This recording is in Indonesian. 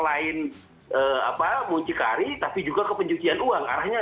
selain muncikari tapi juga ke pencucian uang